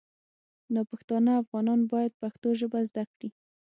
ناپښتانه افغانان باید پښتو ژبه زده کړي